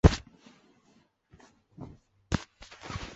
羽枝耳平藓为蕨藓科耳平藓属下的一个种。